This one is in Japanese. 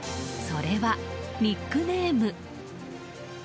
それはニックネーム。